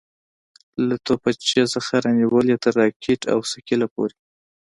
له تمانچې څخه رانيولې تر راکټ او ثقيله پورې.